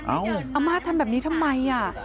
อ้าวอำมาตย์ทำแบบนี้ทำไม